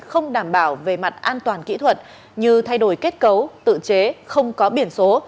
không đảm bảo về mặt an toàn kỹ thuật như thay đổi kết cấu tự chế không có biển số